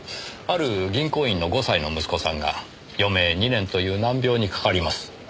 ある銀行員の５歳の息子さんが余命２年という難病にかかります。